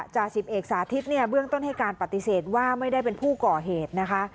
จ่าสิบเอกสาธิตเนี่ยเบื้องต้นให้การปฏิเสธว่าไม่ได้เป็นผู้ก่อเหตุนะคะ